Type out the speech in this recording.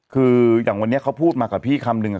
คืออย่างวันนี้เขาพูดมากับพี่คำนึง